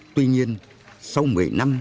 tuy nhiên sau một mươi năm